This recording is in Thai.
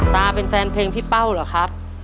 ตาเป็นแฟนเพลงพี่เป้าเหรอครับ